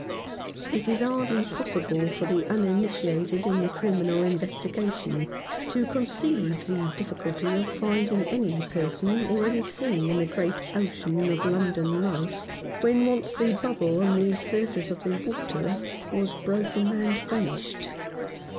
It is hardly possible for the uninitiated in criminal investigation to conceive the difficulty 184 Mr. Fawned s Record. of finding any person or any thing in the great ocean of London life, when once the bubble on the surface of the water has broken and vanished.